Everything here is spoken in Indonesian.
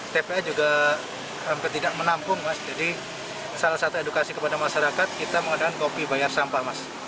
tpa juga hampir tidak menampung mas jadi salah satu edukasi kepada masyarakat kita mengadakan kopi bayar sampah mas